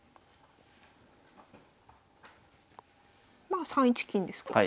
まあ３一金ですね。